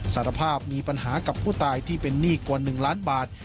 สารภาพมีปัญหากับผู้ตายที่เป็นหนี้กว่า๑ล้านบาท